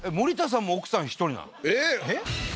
えっ？